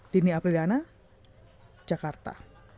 dini apeliana jakarta